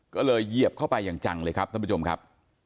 ก็เลยเหยียบเข้าไปอย่างจังเลยครับท่านผู้ชมครับ